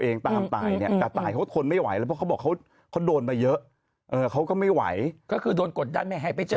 เองตามแต่าธันจะรูบคนไม่ไหวแล้วเขาบอกเขาเขาโดนมาเยอะอะไรเขาก็ไม่ไหวเขาคือโดนกดดันแม่ให้